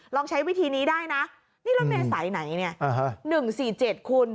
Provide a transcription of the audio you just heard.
ลองใช้วิธีนี้ได้นะนี่รถเมษายไหนเนี่ย๑๔๗คุณ